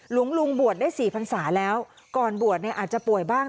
หลวงลุงบวชได้สี่พันศาแล้วก่อนบวชเนี่ยอาจจะป่วยบ้าง